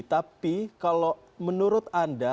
tapi kalau menurut anda